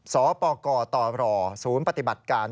สปกรตรสูญปฏิบัติการ